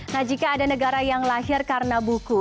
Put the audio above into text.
nah jika ada negara yang lahir karena buku